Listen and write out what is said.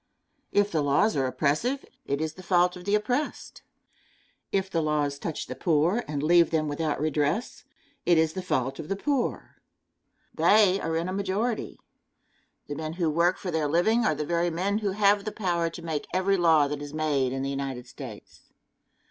If the laws are oppressive, it is the fault of the oppressed. If the laws touch the poor and leave them without redress, it is the fault of the poor. They are in a majority. The men who work for their living are the very men who have the power to make every law that is made in the United States.